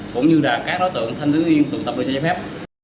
cũng như là các đối tượng thanh thiếu niên tụ tập đua xe trái phép